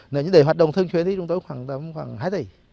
nếu như để hoạt động thương truyền thì trong tối khoảng hai tỷ